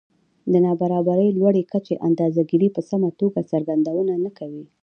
د نابرابرۍ لوړې کچې اندازه ګيرۍ په سمه توګه څرګندونه نه کوي